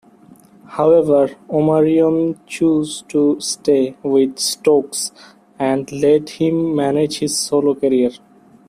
However, Omarion chose to stay with Stokes and let him manage his solo career.